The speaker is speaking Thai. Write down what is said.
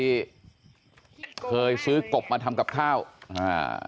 จะซื้อกบมามาทำกับข้าวอ่า